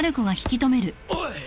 おい！